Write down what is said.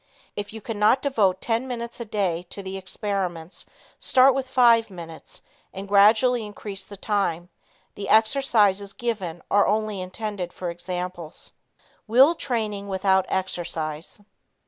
If you cannot devote ten minutes a day to the experiments start with five minutes and gradually increase the time. The exercises given are only intended for examples. Will Training Without Exercise.